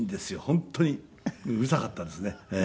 本当にうるさかったですね。